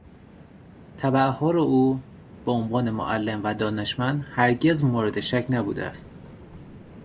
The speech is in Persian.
تبحر او به عنوان معلم و دانشمند هرگز مورد شک نبوده است.